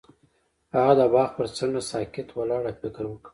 هغه د باغ پر څنډه ساکت ولاړ او فکر وکړ.